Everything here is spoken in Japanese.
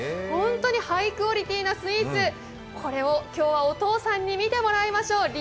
本当にハイクオリティーなスイーツ、これを今日はお父さんに見てもらいましょう。